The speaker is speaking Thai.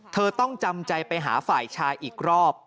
เธอต้องจำใจไปหาฝ่ายชายอีกรอบ